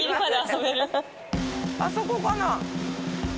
あそこかな？